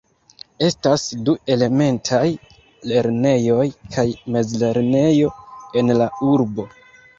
Estas du elementaj lernejoj kaj mezlernejo en la urbo.